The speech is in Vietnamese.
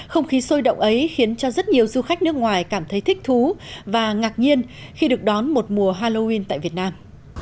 không khí sôi động ấy khiến cho rất nhiều du khách nước ngoài cảm thấy thích thú và ngạc nhiên khi được đón một mùa halloween tại việt nam